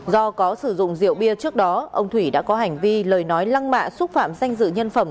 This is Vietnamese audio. do có sử dụng rượu bia trước đó ông thủy đã có hành vi lời nói lăng mạ xúc phạm danh dự nhân phẩm